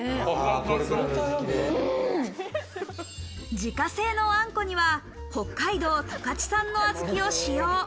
自家製のあんこには北海道十勝産の小豆を使用。